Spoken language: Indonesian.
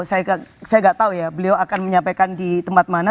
saya nggak tahu ya beliau akan menyampaikan di tempat mana